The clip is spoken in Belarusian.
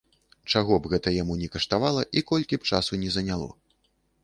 Чаго б гэта яму ні каштавала і колькі часу б ні заняло.